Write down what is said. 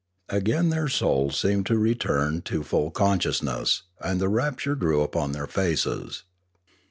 Again their souls seemed to return to full consciousness, and the rapture grew upon their faces.